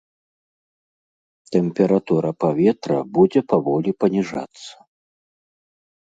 Тэмпература паветра будзе паволі паніжацца.